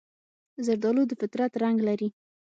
زردالو د فطرت رنګ لري.